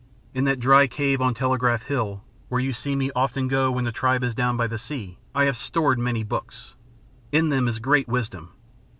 In that dry cave on Telegraph Hill, where you see me often go when the tribe is down by the sea, I have stored many books. In them is great wisdom.